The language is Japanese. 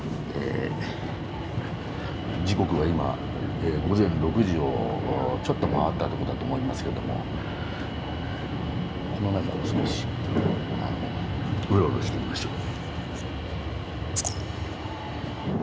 時刻は今午前６時をちょっと回ったとこだと思いますけどもこの中を少しうろうろしてみましょう。